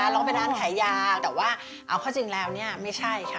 เราก็เป็นร้านขายยาแต่ว่าเอาเข้าจริงแล้วเนี่ยไม่ใช่ค่ะ